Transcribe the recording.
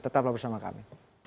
tetap bersama kami